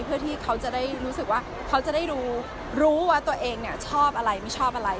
เพื่อที่เขาจะได้รู้ว่าตัวเองชอบอะไรไม่ชอบอะไร